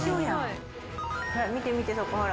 見て見てここほら。